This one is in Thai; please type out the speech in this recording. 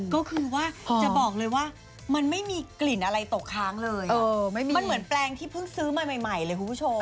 ก็คือว่าจะบอกเลยว่ามันไม่มีกลิ่นอะไรตกค้างเลยมันเหมือนแปลงที่เพิ่งซื้อใหม่ใหม่เลยคุณผู้ชม